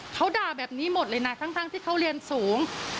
เขาด่าแบบนี้หมดเลยนะทั้งที่เขาเรียนสูง